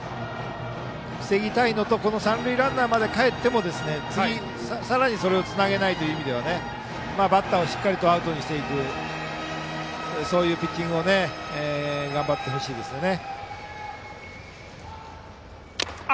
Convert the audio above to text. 防ぎたいのと三塁ランナーまでかえっても次、さらにそれをつなげないという意味ではバッターをしっかりアウトにしていくそういうピッチングを頑張ってほしいですね。